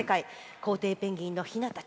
コウテイペンギンのひなたち。